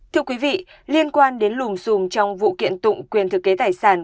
thưa quý vị liên quan đến lùm xùm trong vụ kiện tụng quyền thực kế tài sản